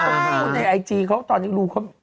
ต้องพูดในไอจีเขาตอนนี้รู้เขา